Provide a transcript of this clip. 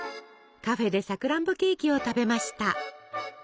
カフェでさくらんぼケーキを食べました。